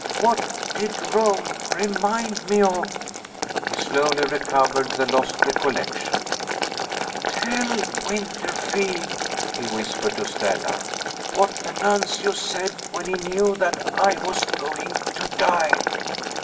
What did Rome remind me of?" He slowly recovered the lost recollection. "Tell Winterfield," he whispered to Stella, "what the Nuncio said when he knew that I was going to die.